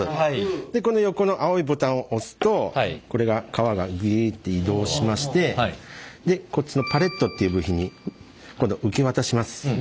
でこの横の青いボタンを押すとこれが皮がグイッて移動しましてでこっちのパレットっていう部品に今度は受け渡します。